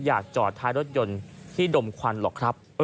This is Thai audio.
อยากจอดท้ายรถยนต์ที่ดมควันหรอกครับ